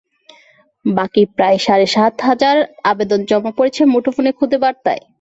বাকি প্রায় সাড়ে সাত হাজার আবেদন জমা পড়েছে মুঠোফোনে খুদে বার্তায়।